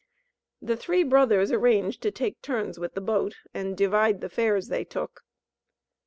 The three brothers arranged to take turns with the boat, and divide the fares they took.